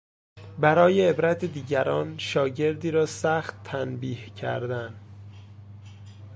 برای عبرت دیگران شاگردی را سخت تنبیه کردن